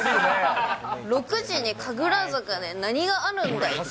６時に神楽坂で何があるんだい？